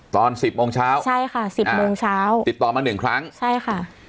ตอน๑๐โมงเช้าใช่ค่ะ๑๐โมงเช้าติดต่อมา๑ครั้งใช่ค่ะ